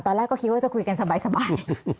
ตอนแรกก็คิดว่าจะคุยกันสบาย